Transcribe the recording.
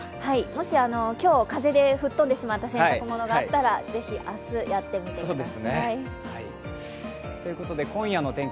もし今日、風で吹っ飛んでしまった洗濯物があったらぜひ明日、やってみてください。